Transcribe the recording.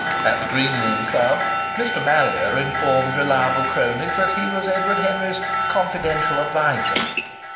At the Green Room Club Mr. Marrier informed reliable cronies that he was Edward Henry's "confidential adviser."